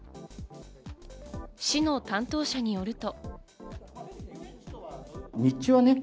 市の担当者によると。